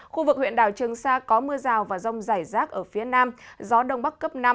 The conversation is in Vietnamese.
khu vực huyện đảo trường sa có mưa rào và rông rải rác ở phía nam gió đông bắc cấp năm